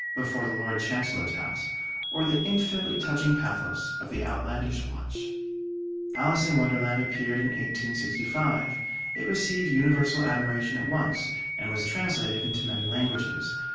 before the Lord Chancellor's house, or the infinitely touching pathos of the Outlandish Watch. 'Alice in Wonderland' appeared in 1865; it received universal admiration at once, and was translated into many languages.